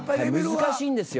難しいんですよ。